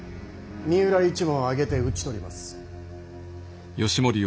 三浦一門を挙げて討ち取ります。